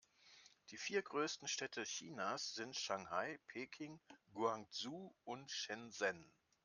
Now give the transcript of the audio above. Die vier größten Städte Chinas sind Shanghai, Peking, Guangzhou und Shenzhen.